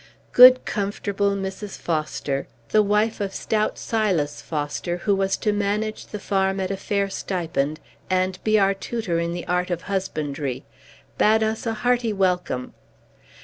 Good, comfortable Mrs. Foster (the wife of stout Silas Foster, who was to manage the farm at a fair stipend, and be our tutor in the art of husbandry) bade us a hearty welcome.